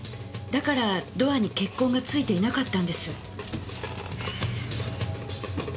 だからドアに血痕がついていなかったんです。